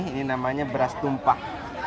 ini namanya beras tumpah